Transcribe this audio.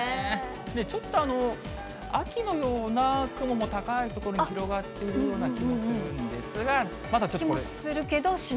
ちょっと、秋のような雲も高い所に広がっているような気もするんですが、気もするけど、しない？